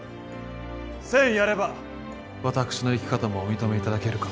１，０００やれば私の生き方もお認め頂けるか。